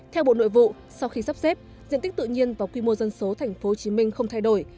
theo bộ nội vụ sau khi sắp xếp diện tích tự nhiên và quy mô dân số tp hcm không thay đổi